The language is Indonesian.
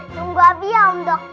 tunggu abi ya om dokter